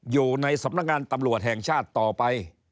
อยู่ในสำนักงานตำรวจแห่งชาติต่อไป